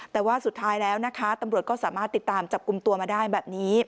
แต่ว่าสุดท้ายแล้วนะคะตำรวจก็สามารถติดตามจับกลุ่มตัวมาได้แบบนี้